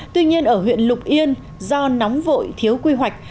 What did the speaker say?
tuy nhiên ở huyện lục yên do nóng vội thiếu quy hoạch